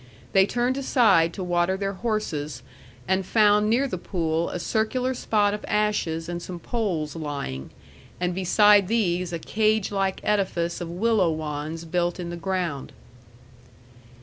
They turned aside to water their horses, and found near the pool a circular spot of ashes and some poles lying, and beside these a cage like edifice of willow wands built in the ground.